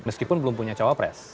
meskipun belum punya cawapres